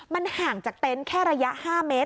มันห่างจากเต็นต์แค่ระยะ๕เมตร